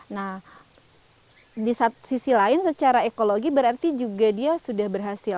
nah di sisi lain secara ekologi berarti juga dia sudah berhasil